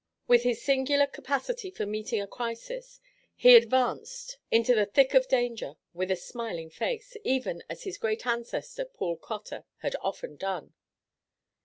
With his singular capacity for meeting a crisis he advanced into the thick of danger with a smiling face, even as his great ancestor, Paul Cotter, had often done.